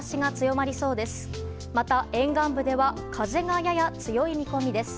また、沿岸部では風がやや強い見込みです。